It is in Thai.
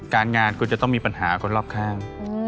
การงานคุณจะต้องมีปัญหาคนรอบข้าง